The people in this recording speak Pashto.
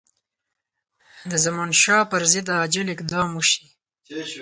د زمانشاه پر ضد عاجل اقدام وشي.